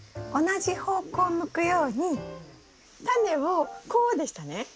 同じ方向向くようにタネをこうでしたね。